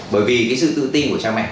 bởi vì cái sự tự tin của cha mẹ